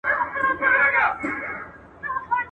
ښه مه کوه، بد به نه در رسېږي.